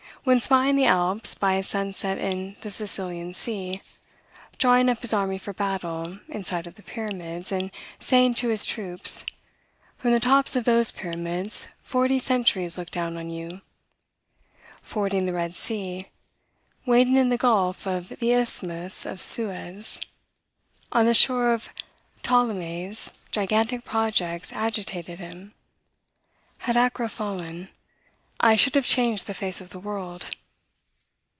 when spying the Alps, by a sunset in the Sicilian sea; drawing up his army for battle, in sight of the Pyramids, and saying to his troops, "From the tops of those pyramids, forty centuries look down on you;" fording the Red Sea; wading in the gulf of the Isthmus of Suez. On the shore of Ptolemais, gigantic projects agitated him. "Had Acre fallen, I should have changed the face of the world."